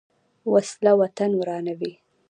وسله وطن ورانوي